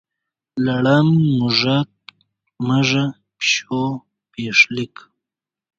لړم، موږک، مږه، پیشو، پیښلیک.